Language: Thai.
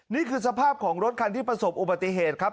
นี่คือสภาพของรถคันที่ประสบอุบัติเหตุครับ